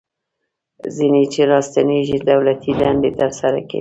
ځینې چې راستنیږي دولتي دندې ترسره کوي.